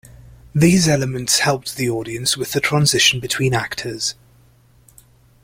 These elements helped the audience with the transition between actors.